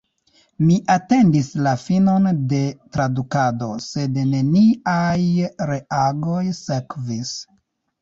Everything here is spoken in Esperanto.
Mi atendis la finon de tradukado – sed neniaj reagoj sekvis.